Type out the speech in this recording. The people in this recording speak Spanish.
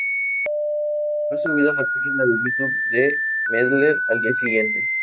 Fue subido a la página de YouTube de Mendler al día siguiente.